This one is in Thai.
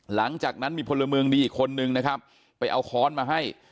หลังจากนั้นมีพลเมืองดีอีกคนนึงนะครับไปเอาค้อนมาให้